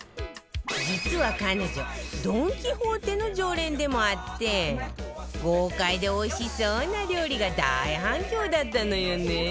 実は彼女ドン・キホーテの常連でもあって豪快でおいしそうな料理が大反響だったのよね